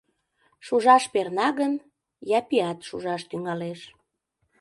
Шужаш перна гын, Япиат шужаш тӱҥалеш.